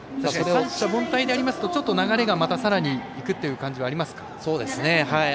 三者凡退でありますと流れがまたさらにいくという感じはありますか。